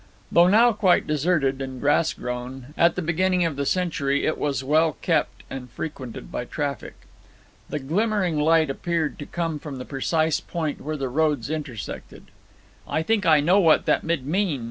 Though now quite deserted and grass grown, at the beginning of the century it was well kept and frequented by traffic. The glimmering light appeared to come from the precise point where the roads intersected. 'I think I know what that mid mean!'